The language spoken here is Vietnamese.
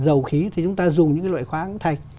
dầu khí thì chúng ta dùng những cái loại khoáng thạch